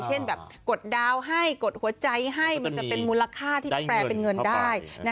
เช่นแบบกดดาวน์ให้กดหัวใจให้มันจะเป็นมูลค่าที่จะแปลเป็นเงินได้